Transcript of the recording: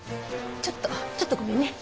ちょっとちょっとごめんね。